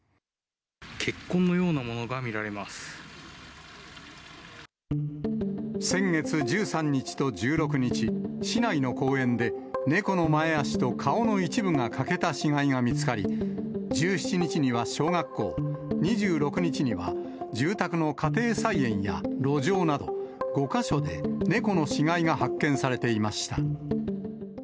血痕のようなものが見られま先月１３日と１６日、市内の公園で猫の前足と顔の一部が欠けた死骸が見つかり、１７日には小学校、２６日には住宅の家庭菜園や路上など、５か所で猫の死骸が発見されていました。